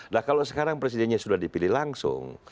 nah kalau sekarang presidennya sudah dipilih langsung